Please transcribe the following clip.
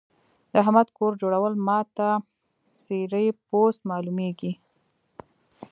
د احمد کور جوړول ما ته څيرې پوست مالومېږي.